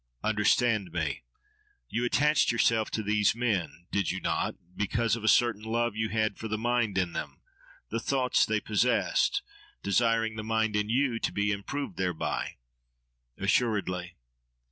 —Understand me! You attached yourself to these men—did you not?—because of a certain love you had for the mind in them, the thoughts they possessed desiring the mind in you to be improved thereby? —Assuredly!